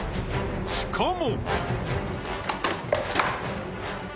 しかも。